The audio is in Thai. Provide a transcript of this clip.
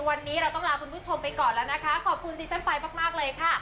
วันนี้เราต้องลาคุณผู้ชมไปก่อนแล้วนะคะขอบคุณซีซั่นไฟมากมากเลยค่ะ